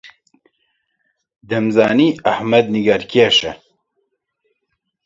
دەمزانی ئەحمەد نیگارکێشە.